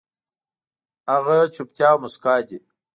هغه چوپتيا او موسکا دي